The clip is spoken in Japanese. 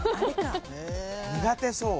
苦手そう？